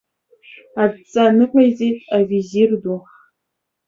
Адҵа ныҟаиҵеит авизир ду.